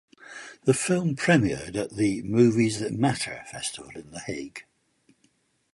The film premiered at the Movies That Matter Festival in The Hague.